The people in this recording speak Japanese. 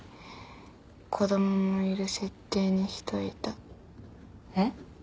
子供もいる設定にしといた。え？